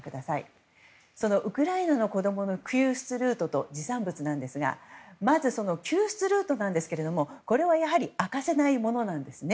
そのウクライナの子供の救出ルートと持参物なんですがまず、救出ルートはやはり明かせないものなんですね。